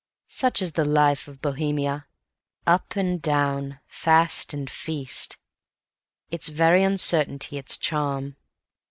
Such is the life of Bohemia, up and down, fast and feast; its very uncertainty its charm.